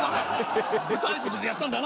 舞台袖でやったんだよ